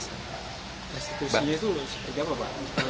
resikusinya itu bagaimana pak